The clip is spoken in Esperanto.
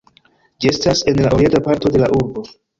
Ĝi estas en la orienta parto de la urbo.